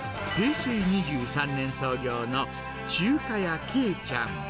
平成２３年創業の中華屋けいちゃん。